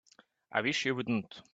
I wish you wouldn't.